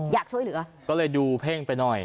อยากช่วยเหลือก็เลยดูเพ่งไปหน่อย